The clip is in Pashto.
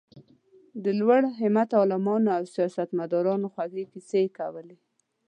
د لوړ همته عالمانو او سیاست مدارانو خوږې کیسې یې کولې.